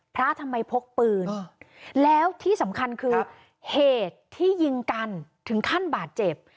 พระทำไมพกปืนแล้วที่สำคัญคือเหตุที่ยิงกันถึงขั้นบาดเจ็บ